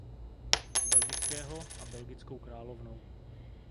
Belgického a belgickou královnou.